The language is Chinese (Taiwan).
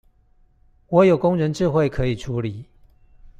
我有工人智慧可以處理